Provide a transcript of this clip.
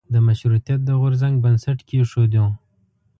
د مشروطیت د غورځنګ بنسټ کېښودیو.